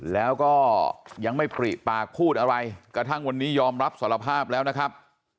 แล้วก็ยังไม่ปริปากพูดอะไรกระทั่งวันนี้ยอมรับสารภาพแล้วนะครับ